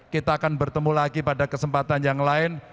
kita akan bertemu lagi pada kesempatan yang lain